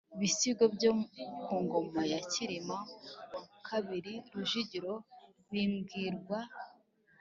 bisigo byo ku ngoma ya cyirima wa kabiri rujugira bibwirwa